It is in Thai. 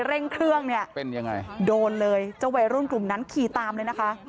เร่งเครื่องเนี่ยเป็นยังไงโดนเลยเจ้าวัยรุ่นกลุ่มนั้นขี่ตามเลยนะคะ